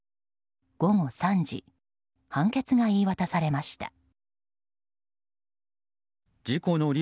午後３時判決が言い渡されました。